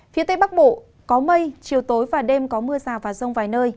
phía tây bắc bộ có mây chiều tối và đêm có mưa rào và rông vài nơi